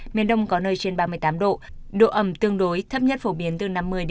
miền đông có nơi trên ba mươi tám độ độ ẩm tương đối thấp nhất phổ biến từ năm mươi ba mươi